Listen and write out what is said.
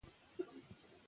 درس په ارامه توګه ویل کېږي.